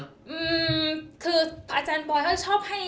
อืมคืออาจารย์บอยเขาชอบให้